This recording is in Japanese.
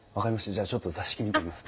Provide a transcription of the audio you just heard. じゃあちょっと座敷見てみます。